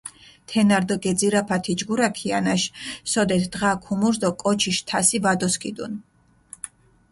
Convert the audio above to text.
თენა რდჷ გეძირაფა თიჯგურა ქიანაშ, სოდეთ დღა ქუმურს დო კოჩიშ თასი ვადოსქიდუნ.